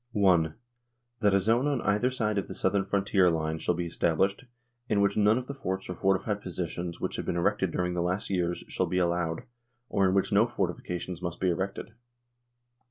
I. That a zone on either side of the Southern frontier line shall be established, in which none of the forts or fortified positions, which had been erected during the last years, shall be allowed, or in which no new fortifications must be erected.